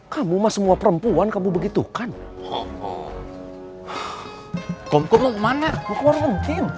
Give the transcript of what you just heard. kamu mau ke mana kamu ke orang ngintin